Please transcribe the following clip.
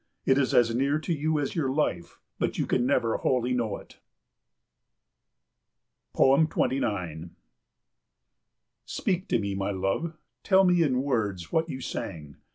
It is as near to you as your life, but you can never wholly know it. 29 Speak to me, my love! Tell me in words what you sang.